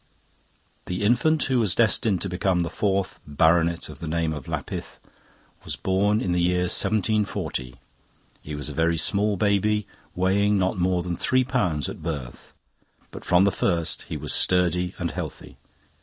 "The infant who was destined to become the fourth baronet of the name of Lapith was born in the year 1740. He was a very small baby, weighing not more than three pounds at birth, but from the first he was sturdy and healthy.